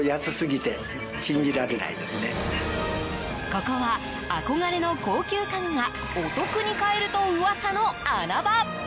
ここは、憧れの高級家具がお得に買えると噂の穴場。